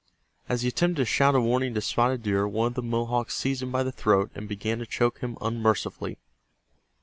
As he attempted to shout a warning to Spotted Deer one of the Mohawks seized him by the throat and began to choke him unmercifully.